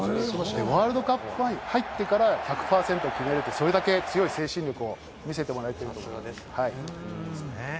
ワールドカップに入ってから１００％決めるって、それだけ強い精神力を見せてもらえているということです。